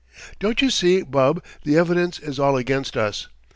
Don't you see, Bub, the evidence is all against us.